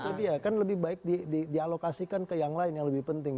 itu dia kan lebih baik dialokasikan ke yang lain yang lebih penting